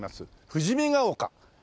富士見ヶ丘。